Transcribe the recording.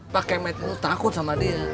pak kemet takut sama dia